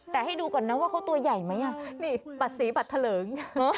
แต่ให้ดูก่อนนะว่าเขาตัวใหญ่ไหมอ่ะนี่บัตรสีบัตรทะเลิง